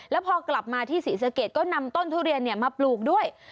แล้วพอกลับมาที่ศรีสะเกดก็นำต้นทุเรียนมาปลูกด้วย